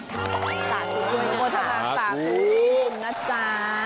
สามารถสามารถประกูลนะจ๊ะ